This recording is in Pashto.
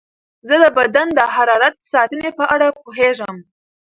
زه د بدن د حرارت ساتنې په اړه پوهېږم.